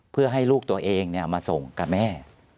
เพื่อให้ลูกตัวเองมาส่งกับแม่